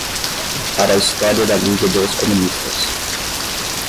Para a História da Liga dos Comunistas